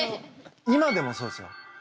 今でもそうですよ。